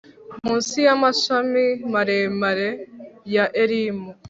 Munsi yamashami maremare ya elimu